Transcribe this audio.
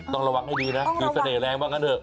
ต้องระวังให้ดีนะมีเสน่ห์แรงบ้างกันเถอะ